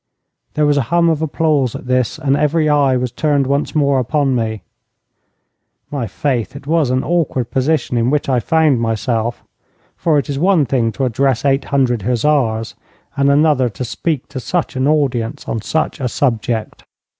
There was a hum of applause at this, and every eye was turned once more upon me. My faith, it was an awkward position in which I found myself, for it is one thing to address eight hundred hussars, and another to speak to such an audience on such a subject.